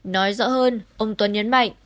nói rõ hơn ông tuấn nhấn mạnh